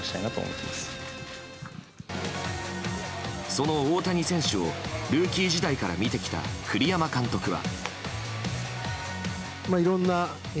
その大谷選手をルーキー時代から見てきた栗山監督は。